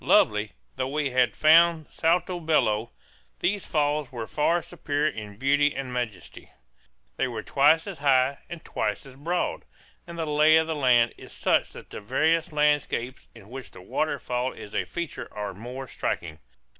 Lovely though we had found Salto Bello, these falls were far superior in beauty and majesty. They are twice as high and twice as broad; and the lay of the land is such that the various landscapes in which the waterfall is a feature are more striking.